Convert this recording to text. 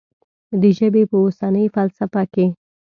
د ژبې په اوسنۍ فلسفه کې.